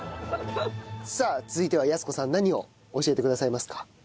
さあ続いては也寸子さん何を教えてくださいますか？